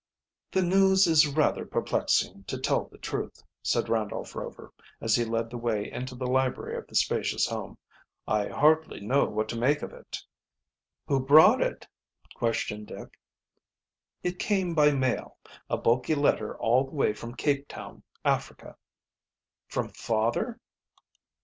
"The news is rather perplexing, to tell the truth," said Randolph Rover, as he led the way into the library of the spacious home. "I hardly know what to make of it." "Who brought it?" questioned Dick. "It came by mail a bulky letter all the way from Cape Town, Africa." "From father?"